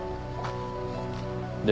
で